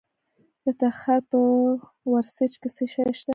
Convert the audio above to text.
د تخار په ورسج کې څه شی شته؟